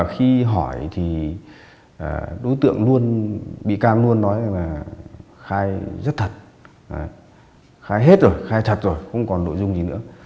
khai hết rồi khai thật rồi không còn nội dung gì nữa